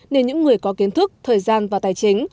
nên những người có kiến thức thời gian và tài chính